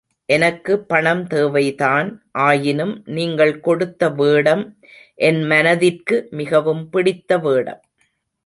எனக்கு பணம் தேவைதான், ஆயினும் நீங்கள் கொடுத்த வேடம் என் மனதிற்கு மிகவும் பிடித்த வேடம்.